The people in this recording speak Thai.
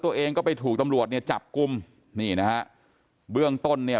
ตัวเองก็ไปถูกตำรวจเนี่ยจับกลุ่มนี่นะฮะเบื้องต้นเนี่ย